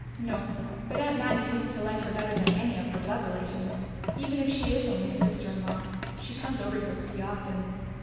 "No. But Aunt Mattie seems to like her better than any of her blood relations, even if she is only a sister in law. She comes over here pretty often."